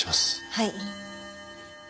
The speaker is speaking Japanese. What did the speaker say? はい。